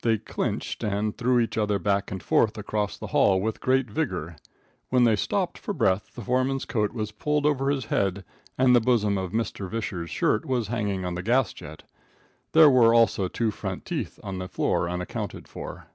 They "clinched" and threw each other back and forth across the hall with great vigor. When they stopped for breath, the foreman's coat was pulled over his head and the bosom of Mr. Visscher's shirt was hanging on the gas jet. There were also two front teeth on the floor unaccounted for.